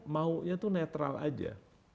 maunya tuh netral aja